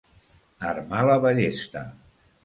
Armar la ballesta.